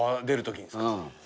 出るときですか？